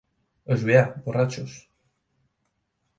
A Juià, borratxos.